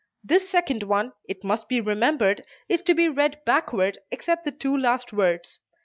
This second one, it must be remembered, is to be read backward except the two last words.